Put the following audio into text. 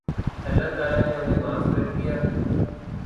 اللہ تعالیٰ نے انھیں معاف کر دیا